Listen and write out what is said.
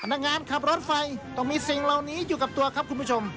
นักงานขับรถไฟต้องมีสิ่งเหล่านี้อยู่กับตัวครับคุณผู้ชม